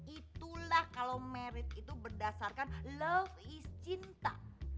itulah kalo married itu berdasarkan love is cinta